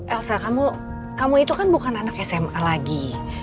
elsa kamu itu kan bukan anak sma lagi